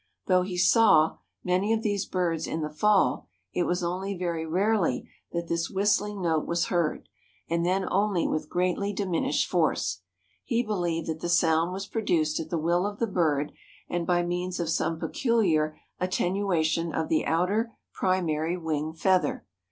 Though he saw "many of these birds in the fall, it was only very rarely that this whistling note was heard, and then only with greatly diminished force." He believed that the sound was produced at the will of the bird and by means of some peculiar attenuation of the outer primary wing feather.